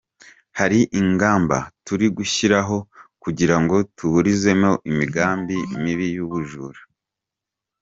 Hari ingamba turi gushyiraho kugira ngo tuburizemo imigambi mibi y’ubujura.